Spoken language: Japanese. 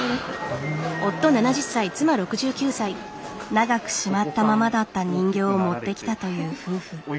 長くしまったままだった人形を持ってきたという夫婦。